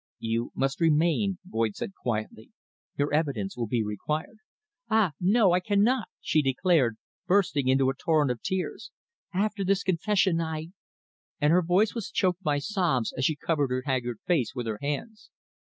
"You must remain," Boyd said quietly. "Your evidence will be required." "Ah, no! I cannot," she declared, bursting into a torrent of tears. "After this confession I " and her voice was choked by sobs as she covered her haggard face with her hands.